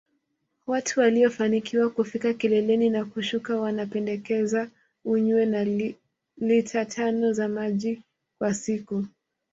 Watu waliofanikiwa kufika kileleni na kushuka wanapendekeza unywe lita tano za maji kwa siku